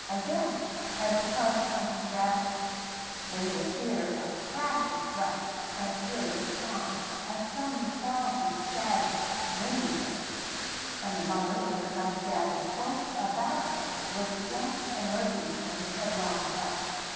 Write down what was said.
Again, as the cubs hunted rabbits, they would hear a crash of brush and a furious challenge as some quarrelsome stag winded them; and the mother with her cubs gathered close about her would watch alertly for his headlong rush.